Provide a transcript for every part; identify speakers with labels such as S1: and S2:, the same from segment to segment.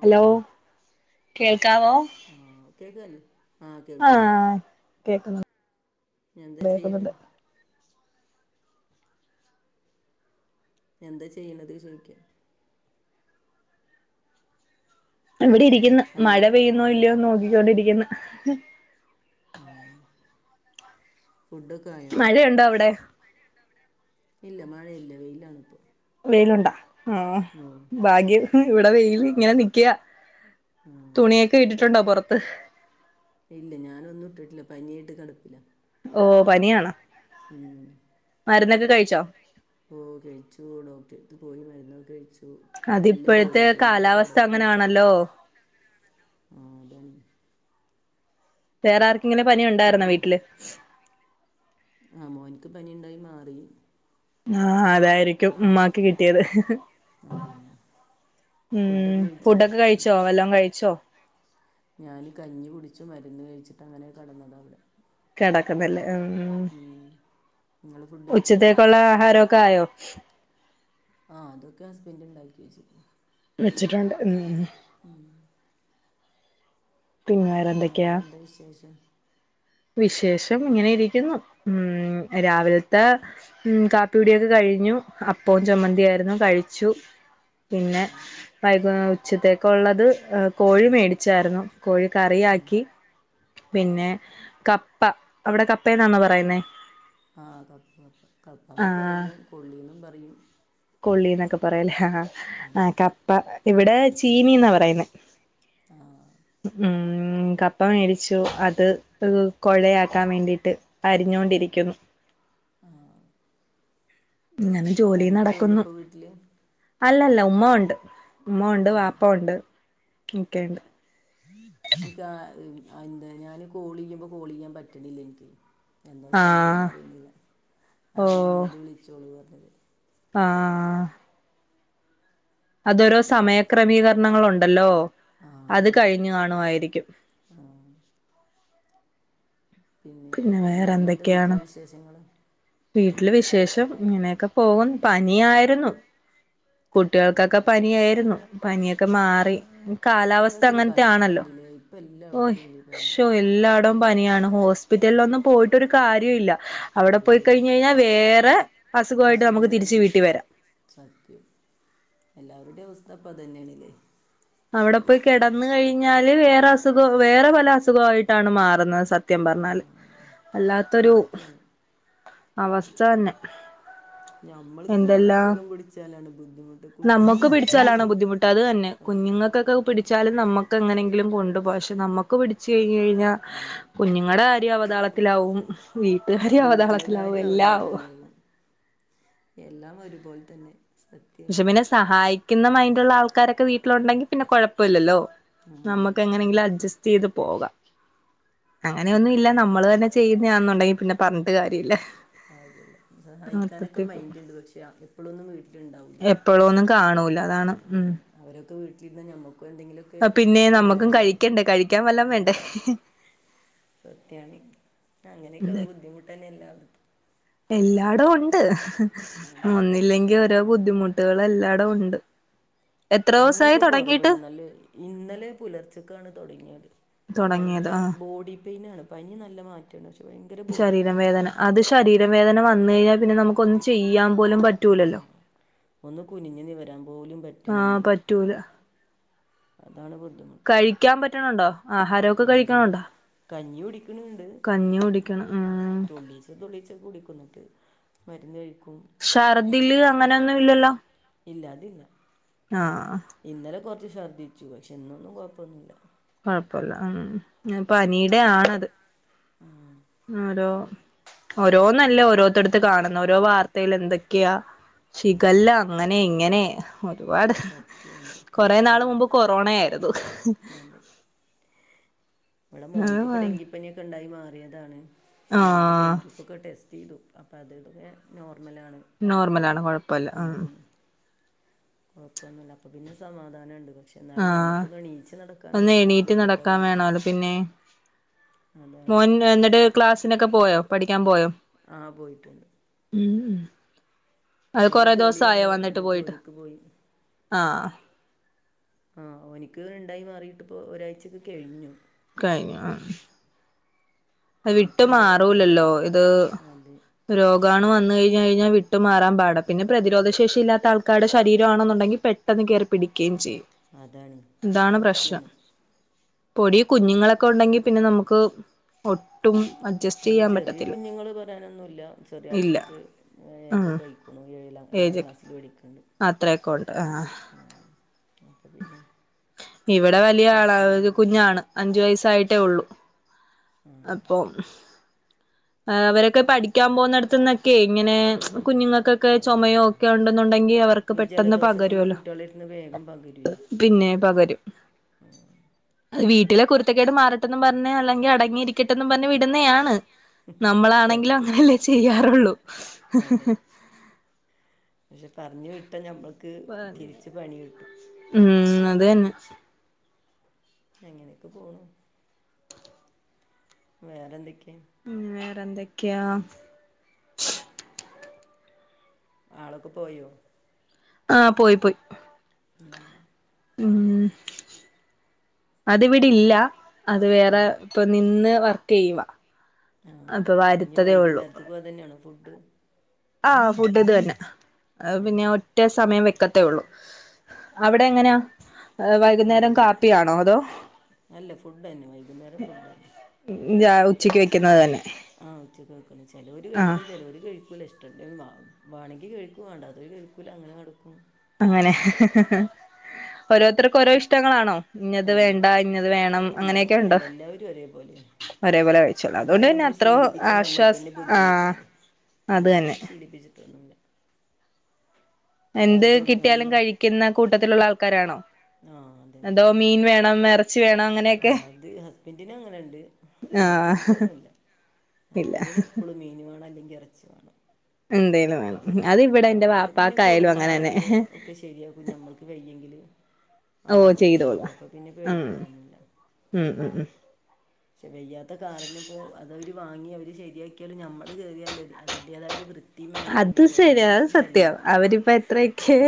S1: Hello കേൾക്കാവോ
S2: ആഹ് കേക്കന്നെ
S1: ആഹ് കേക്കുന്നു
S2: എന്താ ചെയ്യ്ണ എന്താ ചെയ്യണത് ശരിക്കും
S1: ഇവിടെ ഇരിക്ക്ന്ന്
S2: ഹലോ
S1: മഴ പെയ്യുന്നോ ഇല്ല്യോന്ന് നോക്കിക്കൊണ്ടിരിക്കുന്ന്
S2: ആ ഫുടൊക്കായോ
S1: മഴയുണ്ടോ അവിടെ
S2: മഴയുണ്ടോ അവിടെ ഇല്ല മഴയില്ല വെയിലാണിപ്പൊ
S1: വെയിലുണ്ടാ ആ ഭാഗ്യം ഇവിടെ വെയിൽ ഇങ്ങന നിക്യാ
S2: ആ
S1: തുണിയൊക്കെ ഇട്ടിട്ടുണ്ടോ പൊറത്ത്
S2: ഇല്ല ഞാനൊന്നും ഇട്ടട്ടില്ല പനിയായിട്ട് കെടപ്പില
S1: ഓ പനിയാണൊ
S2: ഉം മരുന്നൊക്കെ കഴിക്കോ ഓ കഴിച്ചു ഡോക്ടറെടുത്ത് പോയി മരുന്നൊക്കെ കഴിച്ചു നല്ല ബോഡി
S1: അതിപ്പോഴത്തെ
S2: പെയിൻ അപ്പൊ
S1: കാലാവസ്ഥ
S2: കെടപ്പില ഇപ്പഴ്ത്തെ
S1: അങ്ങനാണല്ലോ
S2: കാലാവസ്ഥ അങ്ങനാണല്ലോ ആഹ് അതെ
S1: വേറെ ആർക്കിങ്ങനെ പനി ഉണ്ടാര്ന്നാ
S2: ഫുഡ്
S1: വീട്ടില്
S2: ആ മോൻക്ക് പനിയിണ്ടായി മാറി
S1: ആഹ് അതായിരിക്കും ഉമ്മാക്ക് കിട്ടിയത്
S2: ആ
S1: ഉം
S2: ഫുഡൊക്കെ
S1: ഫുഡൊക്കെ കഴിച്ചോ വല്ലോം കഴിച്ചോ
S2: ഞാന് കഞ്ഞി കുടിച്ചും മരുന്ന് കഴിച്ചിട്ടങ്ങനെ കടന്നതാവിടെ
S1: കെടക്കുന്നല്ലേ ഉം
S2: നിങ്ങൾ ഫുഡ് കഴിച്ചോ
S1: ഉച്ചത്തേക്കുള്ള ആഹാരക്കെ ആയോ
S2: ആഹ് അതൊക്കെ ഹസ്ബൻഡണ്ടാക്കി വെച്ചു
S1: വെച്ചിട്ടുണ്ട് ഉം
S2: ഉം
S1: പിന്നാര
S2: അവടെന്താ വിശേഷം
S1: വിശേഷം ഇങ്ങനെ ഇരിക്കുന്നു. ഉം രാവിലത്തെ ഉം കാപ്പികുടിയൊക്കെ കഴിഞ്ഞു അപ്പവും ചമ്മന്തിയായിരുന്നു കഴിച്ചു പിന്നെ.
S2: ആ
S1: വൈകുന്ന ഉച്ചത്തേക്ക് ഒള്ളത് കോഴി മേടിച്ചായിരുന്നു കോഴി
S2: ആ
S1: കറിയാക്കി പിന്നെ കപ്പ അവിടെ കപ്പ എന്നാണോ പറയുന്നേ
S2: ആഹ് കപ്പ ക കപ്പാന്നും
S1: ആഹ്
S2: പറയും കൊള്ളിന്നും പറയും
S1: കൊള്ളിന്നൊക്കെ പറയല്ലേ ആഹ് ആഹ് കപ്പ ഇവിടെ ചീനീന്നാ പറയുന്നേ
S2: ആ
S1: ഉം ഉം കപ്പ മേടിച്ചു അത് കൊഴയാക്കാൻ വേണ്ടിട്ട് അരിഞ്ഞോണ്ടിരിക്കുന്നു
S2: ഉംഹ്
S1: ഇങ്ങനെ ജോലി നടക്കുന്നു
S2: ഇപ്പോൾ വീട്ടിൽ
S1: അല്ലല്ല ഉമ്മ ഉണ്ട് ഉമ്മ ഉണ്ട്
S2: ആ
S1: വാപ്പ ഉണ്ട് ഒക്കെയുണ്ട്
S2: എനിക്ക് എന്താ ഞാന് കോള് ചെയ്യുമ്പോ കോള് ചെയ്യാൻ പറ്റണില്ല എനിക്ക് എന്താ സംഭവന്ന്
S1: ആഹ്
S2: അറിയണില്ല
S1: ഓ
S2: അതാണ് നിങ്ങള് വിളിച്ചോളു പറഞ്ഞത്
S1: ആഹ് അതോരോ
S2: പ-
S1: സമയക്രമീകരണങ്ങളുണ്ടല്ലോ അത് കഴിഞ്ഞു കാണുമായിരിക്കും
S2: ആഹ് പിന്നെ
S1: വേറെ
S2: വേറെന്താ
S1: എന്തൊക്കെയാണ്
S2: വീട്ടില് വിശേഷങ്ങള്
S1: വീട്ടില് വിശേഷം ഇങ്ങനെയൊക്കെ പോകുന്നു പനിയായിരുന്നു കുട്ടികൾക്കൊക്കെ
S2: ആ
S1: പനിയായിരുന്നു പനിയൊക്കെ മാറി കാലാവസ്ഥ
S2: വല്ലാത്തൊരു
S1: അങ്ങനത്തെ ആണല്ലോ
S2: കഷ്ടമുണ്ടല്ലേ ഇപ്പം
S1: ഓയ്
S2: എല്ലായിടത്തും ഉണ്ട് ഈ പനി
S1: ഷോ എല്ലാടോം പനിയാണ് ഹോസ്പിറ്റലിൽ ഒന്നും പോയി ട്ടൊരു കാര്യോല്ല
S2: ഈ
S1: അവിടെ പോയി കഴിഞ്ഞ് കഴിഞ്ഞാൽ വേറെ അസുഖമായിട്ട് നമുക്ക് തിരിച്ച്
S2: അസുഖങ്ങളും
S1: വീട്ടി വരാം
S2: സത്യം എല്ലാവരുടെയും അവസ്ഥ അപ്പൊ അത് തന്നെയാണല്ലേ
S1: അവിടെ പോയി കിടന്ന് കഴിഞ്ഞാല് വേറെ അസുഖം വേറെ പല അസുഖയിട്ടാണ് മാറുന്നത് സ ത്യം
S2: ആ
S1: പറഞ്ഞാല് വല്ലാത്തൊരു
S2: സത്യമാണ്
S1: അവസ്ഥ തന്നെ
S2: ഞമ്മൾക്ക്
S1: എന്തെല്ലാം
S2: അസുഖം പിടിച്ചാലാണ് ബുദ്ധിമുട്ട്
S1: നമുക്ക്
S2: കുട്ടികൾക്കൊക്കെ അസുഖം
S1: പിടിച്ചാലാണ്
S2: പിടി
S1: ബുദ്ധിമുട്ട് അത് തന്നെ കുഞ്ഞുങ്ങൾ ക്കൊക്കെ പിടിച്ചാലും നമ്മക്ക് എങ്ങനെങ്കിലും കൊണ്ടുപോകാം പക്ഷെ നമ്മുക്ക് പിടിച്ചു കഴിഞ്ഞ് കഴിഞ്ഞാൽ
S2: അതെ
S1: കുഞ്ഞുങ്ങളുടെ കാര്യോം അവതാളത്തിലാവും വീട്ടുകാര്യം
S2: വീട്ടിലെ
S1: അവതാളത്തിലാവും
S2: കാര്യം
S1: എല്ലാം ആവും
S2: അവതാളത്തിലാകും എല്ലാം ഒരുപോലെ തന്നെ സത്യമാണ്
S1: പക്ഷെ പിന്നെ സഹായിക്കുന്ന മൈൻഡ് ഉള്ള ആൾക്കാരൊക്കെ വീട്ടിലുണ്ടെങ്കിൽ പിന്നെ കുഴപ്പമില്ലല്ലോ
S2: ആ
S1: നമുക്ക്
S2: അതാണ്
S1: എങ്ങനെങ്കിലും അഡ്ജസ്റ്റ് ചെയ്ത് പോകാം അങ്ങനെയൊന്നും ഇല്ല നമ്മള് തന്നെ ചെയ്യുന്നതാന്നുണ്ടെങ്കിൽ പിന്നെ പറഞ്ഞിട്ട് കാര്യമില്ല
S2: അല്ല സഹായിക്കാനൊക്കെ മൈൻഡ് ഉണ്ട് പക്ഷെ എപ്പോഴൊന്നും വീട്ടില് ഇണ്ടാവില്ല
S1: എപ്പോളുവൊന്നും കാണൂല്ല അതാണ് ഉം
S2: അവരൊക്കെ വീട്ടിലിരുന്നി നമ്മക്കും എന്തെങ്കിലുമൊക്കെ
S1: പിന്നെ നമ്മക്കും
S2: വേണ്ടേ
S1: കഴിക്കണ്ടേ കഴിക്കാൻ വല്ലോം വേണ്ടേ
S2: അതെ സത്യാണ് അങ്ങനെയൊക്കെയുള്ള ബുദ്ധിമുട്ടന്നെ എല്ലാം
S1: എല്ലാടോം ഉണ്ട്
S2: അതെ
S1: ഒന്നില്ലെങ്കി ഓരോ ബുദ്ധിമുട്ടുകളും എല്ലാടോം ഉണ്ട് എത്ര ദിവസായി
S2: പനിയൊക്കെ
S1: തൊടങ്ങിയിട്ട്
S2: കുറവുണ്ട് നല്ല ഇന്നലെ പുലർച്ചക്കാണ് തുടങ്ങിയത്
S1: തൊടങ്ങിയത്
S2: ഭയങ്കര
S1: ആഹ്
S2: ബോഡി പെയിൻ ആണ് പനി നല്ല മാറ്റ [unintelligible] ഭയങ്കര ബോഡി
S1: ശരീരം
S2: പെയിൻ
S1: വേദന അത് ശരീരം വേദന വന്ന് കഴിഞ്ഞാൽ പിന്നെ നമുക്ക് ഒന്ന് ചെയ്യാൻ പോലും പ
S2: ആഹ് ഒന്ന് കുനിഞ്ഞ് നിവരാൻ പോലും പറ്റണില്ലേ
S1: റ്റൂല
S2: അതാണ് ബുദ്ധിമു
S1: കഴിക്കാൻ പറ്റണണ്ടോ ആഹാരമൊക്കെ
S2: എന്ത്
S1: കഴിക്കണണ്ടോ
S2: കഞ്ഞി കുടിക്കണ്
S1: കഞ്ഞി കുടിക്കണ് ആഹ്
S2: തുള്ളിച്ച കുടിക്കും എന്നിട്ട് മരുന്ന് കഴിക്കും
S1: ഷർദില് അങ്ങനെയൊന്നും ഇല്ലല്ലോ
S2: ഇല്ല അതില്ല
S1: ആഹ്
S2: ഇന്നലെ കുറച്ച് ഛർദ്ദിച്ചു പക്ഷേ ഇന്നൊന്നും കുഴപ്പമൊന്നുല്ല
S1: കുഴപ്പൊല്ല ഉം പനീടെ ആണത്
S2: ആ
S1: ഓരോ ഓരോ നല്ല ഓരോരുത്തടത്ത് കാണുന്ന ഓരോ വാർത്തയിൽ എന്തൊക്കെയാ
S2: അതെ
S1: ഷിഗെല്ല അങ്ങനെ ഇങ്ങനെ ഒരുപാട്
S2: സത്യമാണ്
S1: കൊറേ
S2: നിപ്പ
S1: നാള് മുമ്പ് കൊറോണയായിരുന്നു
S2: ഇവ്ട മോനിക്കിപ്പൊ ഡെങ്കിപ്പനിയൊക്കെ ഉണ്ടായി മാറിയതാണ് പക്ഷെ ഞങ്ങള്
S1: ആഹ്
S2: ഡെങ്കിക്കൊക്കെ ടെസ്റ്റ് ചെയ്തു അപ്പം അത് ഇവിടെ നോർമലാണ്
S1: നോർമലാണ് കൊഴപ്പല്ല ആഹ്
S2: കൊഴപ്പൊന്നുല്ലാ അപ്പൊ പിന്നെ സമാധാനംണ്ട് പക്ഷെ എന്നാലും
S1: ആഹ്
S2: ഞമ്മക്കൊന്ന് എണീച്ചു നടക്കാൻ
S1: ഒന്ന്
S2: കയിക്കണം
S1: എണീറ്റ്
S2: വീട്ടിത്തെ
S1: നടക്കാൻ വേണോല്ലോ
S2: കാര്യങ്ങളൊക്കെ
S1: പിന്നെ
S2: അതാണ്
S1: മോൻ എന്നിട്ട് ക്ലാസ്സിനൊക്കെ പോയോ പഠിക്കാൻ പോയോ
S2: ആഹ് പോയിട്ടുണ്ട്
S1: ഉം ഉം അത്
S2: ഓന്
S1: കൊറെ
S2: ജോലിയാണ്
S1: ദെവസായോ വന്നിട്ട്
S2: ഓന്
S1: പോയിട്ട്
S2: ജോലിക്ക് പോയി
S1: ആഹ്
S2: ആഹ് ഓനിക്ക് ഇണ്ടായി മാറിയിട്ടിപ്പോ ഒരാഴ്ചക്കെ കഴിഞ്ഞു
S1: കഴിഞ്ഞു ആ
S2: എനിക്ക്
S1: വിട്ട്
S2: എന്തുകൊണ്ടറിയില്ല
S1: മാറൂലല്ലോ ഇത്
S2: അതെ
S1: രോഗാണു വന്നു കഴിഞ്ഞു കഴിഞ്ഞാൽ വിട്ടുമാറൻ പാട പിന്നെ പ്രതിരോധ ശേഷി ഇല്ലാത്ത ആൾക്കാരുടെ ശരീരമാണെന്നുണ്ടങ്കിൽ പെ പെട്ടെന്ന് കേറി പിടിക്കുകയും ചെയ്യും
S2: അതാണ്
S1: ഇതാണ് പ്രശ്നം
S2: സത്യമാണ്
S1: പൊടി കുഞ്ഞുങ്ങളൊക്കെ ഉണ്ടെങ്കി പിന്നെ നമുക്ക് ഒട്ടും അഡ്ജസ്റ്റ്
S2: ഇവിടെ
S1: ചെയ്യാൻ
S2: ചെറിയ
S1: പറ്റത്തില്ല
S2: കുഞ്ഞുങ്ങള് പറയാനൊന്നുല്ല ചെറിയ
S1: ഇല്ല
S2: മക്കൾക്ക്
S1: ഉം
S2: ഏയ്ജൊക്കെ ആയിക്കുണ് ഏഴില് ഏഴാം ക്ലാസ്സിൽ പഠിക്കണ്ട്
S1: ആയിക്കോട്ടെ ആഹ്
S2: അപ്പോൾ പിന്നെ
S1: ഇവിടെ വലിയ ആള ഒരു
S2: പ്രശ്നമൊന്നുമില്ല
S1: കുഞ്ഞാണ് അഞ്ചു വയസായിട്ടേ ഉള്ളു
S2: ആ
S1: അപ്പം അവരെ ഒക്കെ പഠിക്കാൻ പോകുന്നിടത്തന്നൊക്കെ ഇങ്ങനെ കുഞ്ഞുങ്ങൾക്കൊക്കെ ചുമയോ ഒക്കെ ഉണ്ടെന്നുണ്ടെങ്കിൽ അവർക്ക് പെട്ടെ
S2: ജലദോഷക്കുള്ള കുട്ടികളെരുത്ത്ന്ന് വേഗം പകരുഏ
S1: പിന്നെ പകരും അത് വീട്ടിലെ കുരുത്തക്കേട് മാറട്ടെന്നും പറഞ്ഞ് അല്ലെങ്കി അടങ്ങിയിരിക്കട്ടെന്നും പറഞ്ഞ് വിടുന്നെയാണ് നമ്മളാണെങ്കിലും
S2: സത്യം
S1: അങ്ങനെയല്ലേ ചെയ്യാറുള്ളൂ
S2: അതെ പക്ഷെ പറഞ്ഞു വിട്ടാ ഞമ്മൾക്ക് തിരിച്ച് പണി കിട്ടും
S1: ഉം അത് തന്നെ
S2: അങ്ങനെയൊക്കെ പോണു വേറെ എന്തൊക്കെയാ
S1: ഉ വേറെന്തൊക്കെയാ
S2: ആളൊക്കെ പോയോ
S1: ആ പോയി പോയി
S2: മ്മ്
S1: ഉം അതിവിടെ ഇല്ല അത് വേറെ പ്പൊ നിന്ന് വർക്ക് ചെയ്യുവ
S2: ആ ഇനി വൈകുന്നേരത്തേക്കും അതന്നെയാണോ ഫുഡ്
S1: ആ ഫുഡ് ഇതന്നെ പിന്നെ ഞാൻ ഒ ഒറ്റ സമയം വെക്കത്തേ ഉള്ളൂ അവിടെ എങ്ങനാ ഹേ
S2: ആ
S1: വൈകുന്നേരം
S2: ഇവിടെ
S1: കാപ്പിയാണോ അതോ
S2: അല്ല ഫുഡ് തന്നെ വൈകുന്നേരം ഫുഡ് തന്നെ
S1: ചാ ഉച്ചക്ക് വെക്കുന്നത് തന്നെ
S2: ആ ഉച്ചക്ക് വെക്കുന്നെ ചേലെര്
S1: ആ
S2: കഴിക്കും ചേലെര് കഴിക്കൂല ഇഷ് ടം വാ വാണെങ്കിൽ കഴിക്കും വാണ്ടാത്തൊരു കഴിക്കൂല അങ്ങനെ കെടക്കും
S1: അങ്ങനെ ഓരോരുത്തർക്കും ഓരോ ഇഷ്ടങ്ങളാണോ ഇന്നത്
S2: അതെ
S1: വേണ്ട ഇന്നത് വേണം
S2: ഇല്ല
S1: അങ്ങനെയൊക്കെയുണ്ടോ
S2: അങ്ങനെയല്ല എല്ലാവരും ഒരേപോലെയാണ്
S1: ഒരേപോലെ കഴിക്കും ചോള്ളു
S2: അങ്ങനെ
S1: അതുകൊണ്ട്പിന്നെ
S2: നമ്മൾ
S1: അത്രോം
S2: ശീലിപ്പിച്ചാൽ
S1: ആശ്വാസം ആഹ്
S2: അ ഞാന് ശീലിപ്പിച്ചിട്ടൊന്നുല്ല
S1: എന്ത്
S2: എല്ലാവരും
S1: കിട്ടിയാലും
S2: ഒന്ന്
S1: കഴിക്കുന്ന കൂട്ടത്തിലുള്ള ആൾക്കാരാണോ
S2: ആ അതന്നെ
S1: അതോ മീൻ വേണം ഇറച്ചി വേണം
S2: ആ
S1: അങ്ങനെയൊക്കെ
S2: അത് ഹസ്ബൻറിന് അങ്ങനെണ്ട്
S1: ആഹ്
S2: മറ്റൊരിക്കൊന്നുല്ല
S1: ഇല്ല
S2: ഇതിനെപ്പോഴും മീന് വണം അല്ലെങ്കി ഇറച്ചി വണം
S1: എന്തേലും വേണം അത് ഇവിടെ എന്റെ
S2: ആള് പിന്നെ
S1: പാപ്പാക്കായയാലും
S2: കൊടുന്ന
S1: അങ്ങനെ ന്നെ
S2: ആളന്നെ ഒക്കെ ശെരിയാക്കും ഞമ്മൾക്ക് വയ്യെങ്കില്
S1: ഓ
S2: ആളന്നെ
S1: ചെയ്തോളും
S2: ശരിയാക്കും അപ്പൊ പിന്നെ
S1: ഉം
S2: പേടിക്കാനൊന്നുല്ല
S1: ഉം ഉം ഉം
S2: പക്ഷെ വയ്യാത്ത കാരന്പ്പോ അത അവര് വാങ്ങി അവര് ശരിയാക്കിയാലും നമ്മള് കയറിയാലോ അതിന്റേതായ ഒരു വൃത്തി
S1: അത് ശരി അത് സത്യം അവരിപ്പ എത്രയൊക്കെ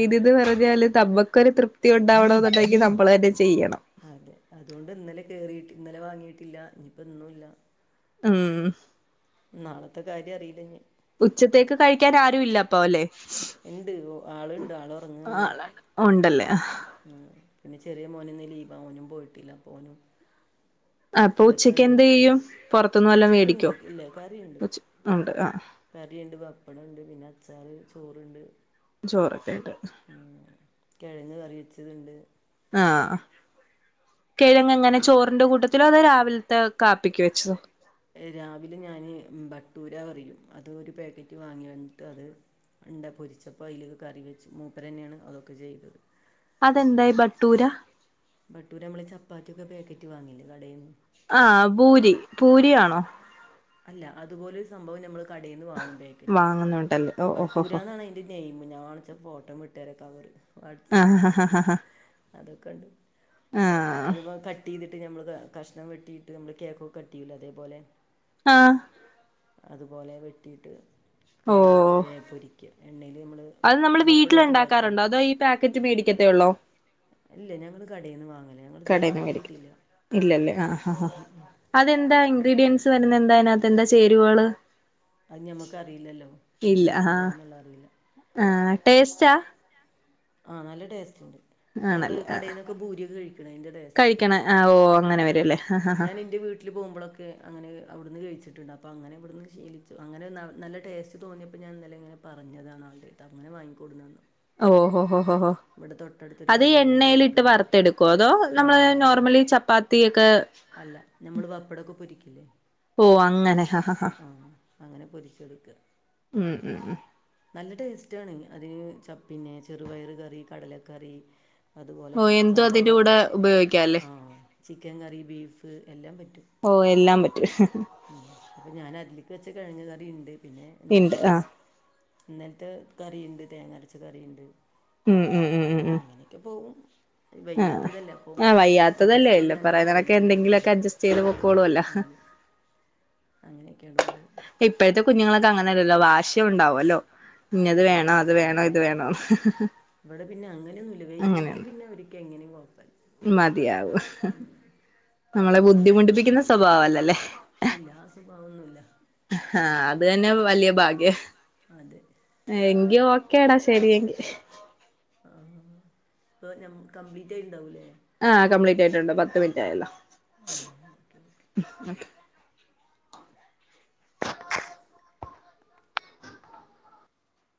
S2: അതെ
S1: പറഞ്ഞ താലും നമ്മൊക്കൊരു തൃപ്തി ഉണ്ടാവണ എന്നുണ്ടെങ്കിൽ നമ്മള് തന്നെ ചെയ്യണം
S2: അതെ അതുകൊണ്ട് ഇന്നലെ കേറിട്ട് ഇന്നലെ വാങ്ങിയിട്ടില്ല ഇഞ്ഞിപ്പോ ഇന്നുല്ല
S1: ഉം
S2: നാളത്തെ കാര്യം അറിയില്ല ഞ്ഞി
S1: ഉച്ചത്തേക്ക് കഴിക്കാൻ ആരും ഇല്ല അപ്പല്ലെ
S2: ഇണ്ട് ആളുണ്ട് ആൾ ഉറങ്ങാണ്
S1: ഉണ്ടല്ലേ
S2: ആ പിന്നെ ചെറിയ മോനിന്ന് ലീവാ ഓനും പോയിട്ടില്ല അപ്പൊ ഓനും
S1: അപ്പൊ ഉച്ചക്ക്
S2: കേടക്ക്ണ്ട്
S1: എന്ത്
S2: ഉച്ചക്ക് എന്ദ് ചെയ്യും
S1: പുറത്തുന്ന് വല്ലോം
S2: ഉച്ചക്കുണ്ട്
S1: മേടിക്കോ
S2: ഇല്ല കറിണ്ട്
S1: ഉച്ച ഉണ്ട് ആഹ്
S2: കറിയുണ്ട് പപ്പട ഇണ്ട് പിന്നെ അച്ചാറ് ചോറണ്ട്
S1: ചോറൊക്കെ ഉണ്ട്
S2: ഉം കിഴങ്ങ് കറിവെച്ചതുണ്ട്
S1: ആഹ കിഴങ്ങ എങ്ങനെ ചോറിന്റെ കൂട്ട - ത്തിരൊ അധോ രാവിലത്തെ കാപ്പിക്ക് വെച്ചതോ
S2: രാവിലെ ഞാന് ബട്ടൂര പറയും അതൊരു പാക്കറ്റ് വാങ്ങി വന്നിട്ട് അത് ഉണ്ട പൊരിച്ചപ്പോൾ അയിൽ കറി വെച്ച് മൂപ്പരെന്നെ ആണ് അതൊക്കെ ചെയ്തത്
S1: അതെന്താ ഈ ബട്ടൂര
S2: ബട്ടൂര നമ്മളെ ചപ്പാത്തിക്കെ പാക്കറ്റ് വാങ്ങില്ലേ കടേന്ന്
S1: ആഹ പൂരി പൂരിയാണോ
S2: അല്ല അതുപോലെരു സംഭവം നമ്മൾ കടേന്ന് വാങ്ങും പേക്കറ്റ്
S1: വാങ്ങുന്നുണ്ടല്ലേ ഓ ഓഹോ ഹോ
S2: ബട്ടൂരാ
S1: ഹോ
S2: എന്നാണയ്ന് - ത് നയ്മ് ഞാൻ വേണെച്ചാ ഫോട്ടോ വിട്ടെരാകവറ്
S1: ആഹ്
S2: വാട്സപ്പ്
S1: ഹ ഹ ഹ
S2: അതൊക്കെ ഉണ്ട്
S1: ആഹ്
S2: അത് പോലെത്തെ ട്ടി ഇട്ട് നമ്മള് കഷ്ണം വെട്ടിട്ട് നമ്മള് കേക്കൊക്ക കട്ടില്ലോ അതേപോലെ
S1: ആഹ
S2: ആഹ് അതുപോലെ വെട്ടിയിട്ട്
S1: ഓ
S2: കറി വെക്കെ പൊരിക്കെ എണ്ണൽ നമ്മള്
S1: അത് നമ്മൾ വീട്ടിൽ ഉണ്ടാക്കാറുണ്ടോ അതോ ഈ പാക്കറ്റ് മേടിക്കത്തെ ഉള്ളോ
S2: അല്ലെ ഞങ്ങള് കടയിന്ന് വാങ്ങലേ ഞങ്ങൾ ഇതുവരെ
S1: കടേന്ന് മേടിക്കും
S2: ഉണ്ടാക്കിട്ടില്ല
S1: ഇല്ലല്ലേ ആഹ് ഹ ഹ അതെന്താ ഇൻഗ്രീഡിയൻറ്സ് വരുന്നത് എന്താ അതിനകത്ത് എന്താ ചേരുവകള്
S2: അത് ഞമ്മക്കറിയില്ലല്ലോ
S1: ഇല്ല
S2: എന്താ
S1: ആഹ്
S2: സംഭവം എന്നുള്ള അറിയില്ല
S1: ആഹ് ടേസ്റ്റാ
S2: ആഹ നല്ല ടേസ്റ്റ് ഉണ്ട് ഞമ്മള്
S1: ആണല്ലേ ആഹ്
S2: കടയിൽന്നൊക്കെ ഭൂരിയൊക്കെ കഴിക്ക അതിന്റെ ടേസ്റ്റ്
S1: കഴിക്കണ ആഹ് ഓ അങ്ങനെ വരുംല്ലേ ആഹ് ആഹ്
S2: ഞാൻ എന്റെ വീട്ട് വീട്ടിൽ പോകുമ്പോളൊക്കെ അങ്ങനെവിടുന്ന് കഴിച്ചിട്ടുണ്ട് അപ്പോ അങ്ങനെ ഇവിടുന്ന് ശീലിച്ചു അങ്ങനെ നല്ല ടേസ്റ്റ് തോന്നിയ - പ്പോ ഞാനി ഇന്നലെ ഇങ്ങനെ പഞ്ഞതാണ് ആളേടത്ത് അങ്ങനെ വാങ്ങി കൊടുന്നന്നു
S1: ഓ ഹോ ഹോ ഹോ അത്
S2: കടയിലുണ്ട് പറഞ്ഞിട്ട്
S1: എണ്ണയിലിട്ട്
S2: വാങ്ങിക്കൊടുക്കും
S1: വറുത്തെടുക്കുവോ അതോ
S2: ആ
S1: നമ്മള് നോർമലി ചപ്പാത്തി ഒക്കെ
S2: അല്ല നമ്മള് വപ്പടൊക്കെ പൊരിക്കില്ലേ
S1: ഓ അങ്ങനെ ഹ ഹ ഹ
S2: ആഹ് അങ്ങനെ പൊരിച്ചെടുക്കാ
S1: ഉം ഉം ഉം
S2: നല്ല ടേസ്റ്റാണ് അതിന് ച പിന്നെ ചെറുപയർ കറി കടലക്കറി അതുപോലെ
S1: ഓ എന്തും
S2: സാധാ
S1: അതിന്റെ
S2: ഏ
S1: കൂടെ ഉപയോഗിക്കാല്ലേ
S2: ആഹ ചിക്കൻ കറി ബീഫ് എല്ലാം പറ്റും
S1: ഓ എല്ലാം പറ്റും
S2: ഉം അപ്പൊ ഞാനതിലേക്ക് വച്ച കിഴങ്ങ് കറിണ്ട് പിന്നെ
S1: ഇണ്ട്
S2: ഇന്നലെ
S1: ആഹ്
S2: ഇന്നലത്തെ കറിയുണ്ട് തേങ്ങ അരച്ച കറിയുണ്ട്
S1: ഉം ഉം ഉം ഉം
S2: അപ്പം
S1: ഉം
S2: അങ്ങനെയൊക്കെ പോകും
S1: ആഹ് ആഹ വയ്യാത്തതല്ലേ
S2: അഡ്ജസ്റ്റ് ചെയ്യാനൊക്കെ
S1: ല്ലപറേന്നതൊക്കെ
S2: അറിയാലോ
S1: എന്തെങ്കിലുമൊക്കെ
S2: എല്ലാവരേക്കും
S1: അഡ്ജസ്റ്റ് ചെയ്ത് പോക്കോളൂല്ലോ
S2: അതെ അങ്ങനെയൊക്കെയാണ് പോകും
S1: ട് ഇപ്പോഴത്തെ കുഞ്ഞുങ്ങളൊക്കെ ങ്ങനെല്ലല്ലോ വശി ഉണ്ടാവുല്ലോ
S2: ഓ
S1: ഇന്നത് വേണോ അത്
S2: പിന്നെ
S1: വേണോ ഇത് വേണോന്ന്
S2: ഇവിടെ പിന്നെ അങ്ങനെയൊന്നുമില്ല വയ്യങ്കിൽ
S1: അങ്ങനെയൊന്നും
S2: പിന്നെ അവർക്ക് എങ്ങനിം കുഴപ്പമില്ല
S1: മതിയാവും നമ്മളെ ബുദ്ധിമുട്ടിപ്പിക്കുന്ന സ്വഭാവല്ലല്ലേ
S2: ഇല്ല ആ സ്വഭാവന്നുല്ല
S1: ആഹ അത് തന്നെ വലിയ ഭാഗ്യ
S2: അതെ
S1: ആഹ എങ്കി ഓക്കെടാ ശരിയെങ്കി
S2: ആഹ ഇപ്പൊഞ്ഞം കംപ്ലീറ്റയിണ്ടാവൂല്ലേ.
S1: ആഹ കംപ്ലീറ്റ് ആയിട്ടുണ്ട് പത്ത് മിനിറ്റ് ആയല്ലോ
S2: ആ ഓക്കെ ഓക്കെ
S1: ച്ച് ഉം ഉ
S2: ശരി
S1: മ്